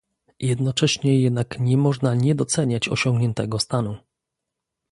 Jednocześnie jednak nie można nie doceniać osiągniętego stanu